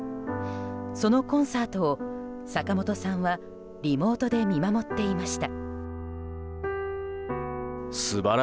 そのコンサートを、坂本さんはリモートで見守っていました。